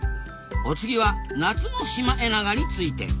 お次は夏のシマエナガについて。